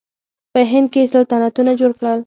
په هند کې یې سلطنتونه جوړ کړل.